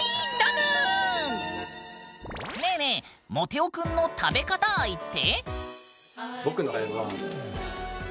ねぇねぇモテお君の「食べかた愛」って？